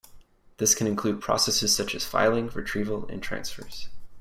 This can include processes such as filing, retrieval and transfers.